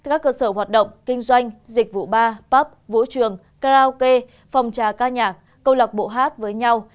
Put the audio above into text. các cơ sở hoạt động kinh doanh dịch vụ ba pup vũ trường karaoke phòng trà ca nhạc câu lạc bộ hát với nhau